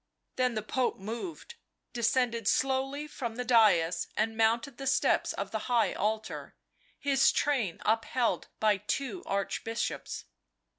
Then the Pope moved, descended slowly from the dais and mounted the steps of the high altar, his train upheld by two Archbishops.